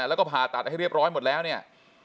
แล้วก็ผ่าตัดให้เรียบร้อยหมดแล้วเนี่ย